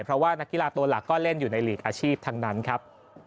เพราะว่านักกีฬาตัวหลักก็เล่นอยู่ในหลีกอาชีพทั้งนั้นครับ